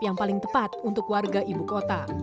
yang paling tepat untuk warga ibu kota